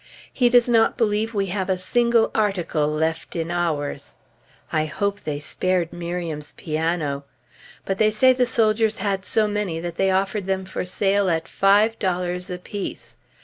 He does not believe we have a single article left in ours. I hope they spared Miriam's piano. But they say the soldiers had so many that they offered them for sale at five dollars apiece!